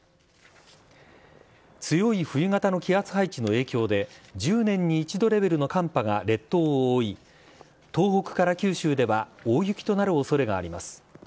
強い冬型の気圧配置の影響で、１０年に一度レベルの寒波が列島を覆い、東北から九州では大雪となるおそれがあります。